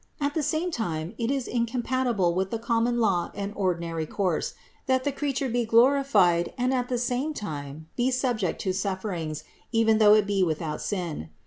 At the same time it is incom patible with the common law and ordinary course, that the creature be glorified and at the same time be subject to sufferings, even though it be without sin.